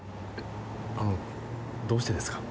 あのどうしてですか？